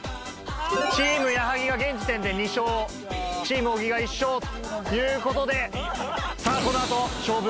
チーム矢作が現時点で２勝チーム小木が１勝ということでさぁ。